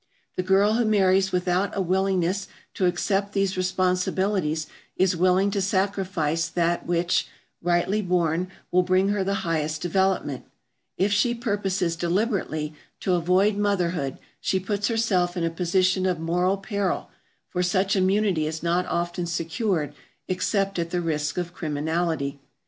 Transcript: The girl who marries without a willingness to accept these responsibilities is willing to sacrifice that which, rightly borne, will bring her the highest development. If she purposes deliberately to avoid motherhood she puts herself in a position of moral peril, for such immunity is not often secured except at the risk of criminality.